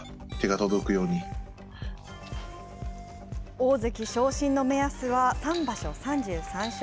大関昇進の目安は３場所３３勝。